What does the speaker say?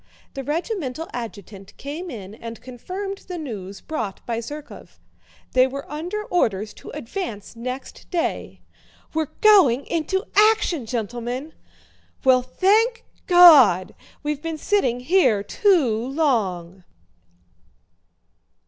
The regimental adjutant came in and confirmed the news brought by Zherkóv. They were under orders to advance next day. "We're going into action, gentlemen!" "Well, thank God! We've been sitting here too long!"